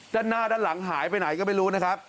ด้านหน้าด้านหลังหายไปไหนก็ไม่รู้นะครับ